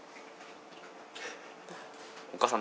お母さん